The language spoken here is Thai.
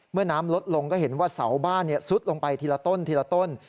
เมื่อน้ำลดลงก็เห็นว่าเสาบ้านซุดลงไปทีละต้นทีละต้น